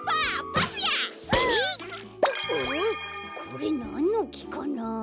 これなんのきかな？